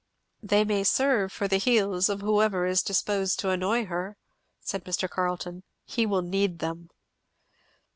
"They may serve for the heels of whoever is disposed to annoy her," said Mr. Carleton. "He will need them."